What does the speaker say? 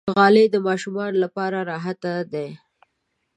غالۍ د ماشومانو لپاره راحته ده.